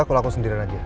kalo aku sendirian aja